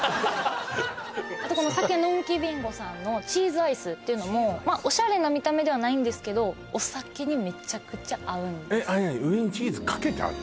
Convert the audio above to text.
あとこの酒呑気びんごさんのチーズアイスっていうのもオシャレな見た目ではないんですけどお酒にめちゃくちゃ合うんです上にチーズかけてあんの？